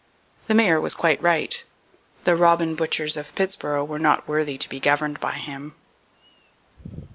The Mayor was quite right. The robin butchers of Pittsboro were not worthy to be governed by him.